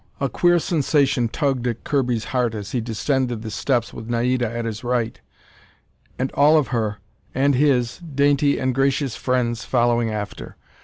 A queer sensation tugged at Kirby's heart as he descended the steps with Naida at his right, and all of her and his dainty and gracious friends following after.